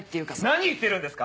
何言ってるんですか。